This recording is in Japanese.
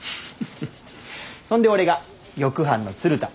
そんで俺が翼班の鶴田。